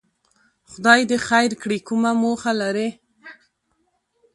خدای دې خیر کړي، کومه موخه لري؟